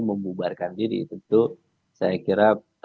membubarkan diri tentu saya kira